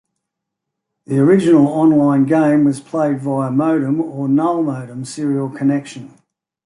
The original online-game was played via modem or null modem serial connection.